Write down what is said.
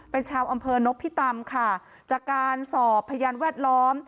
เป็นชาวอำเภอนพิตำค่ะจากการสอบพยานแวดล้อม